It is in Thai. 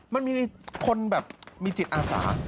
มันมีคนแบบมีจิตอาสา